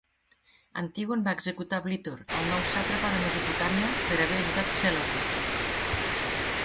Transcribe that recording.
Antígon va executar Blitor, el nou sàtrapa de Mesopotàmia, per haver ajudat Séleucos.